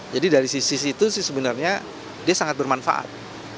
jadi dari sisi itu sebenarnya dia sangat bermanfaat